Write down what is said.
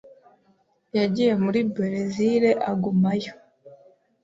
Yagiye muri Berezile agumayo.